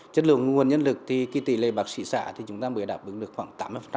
chất lượng nguồn nhân lực thì kỳ tỷ lệ bác sĩ xã thì chúng ta mới đạt được khoảng tám mươi